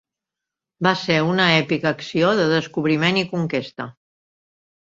Va ser una èpica acció de descobriment i conquesta.